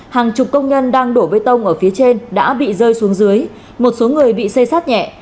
hàng chục công nhân đang đổ bê tông ở phía trên đã bị rơi xuống dưới một số người bị xây sát nhẹ